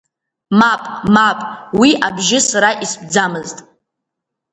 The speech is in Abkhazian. Мап, мап, уи абжьы сара истәӡамызт!